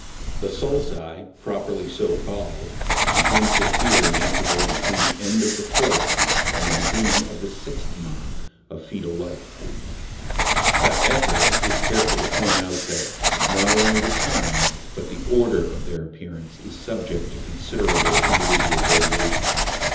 The sulci, properly so called, begin to appear in the interval between the end of the fourth and the beginning of the sixth month of foetal life, but Ecker is careful to point out that, not only the time, but the order, of their appearance is subject to considerable individual variation.